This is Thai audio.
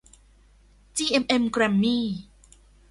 จีเอ็มเอ็ม แกรมมี่